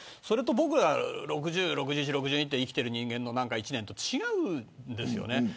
それと僕ら６０、６１、６２と生きてる人間の１年と違うんですよね。